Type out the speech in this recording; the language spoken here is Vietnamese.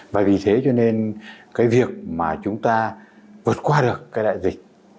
và vì thế cho nên cái việc mà chúng ta vượt qua được cái đại dịch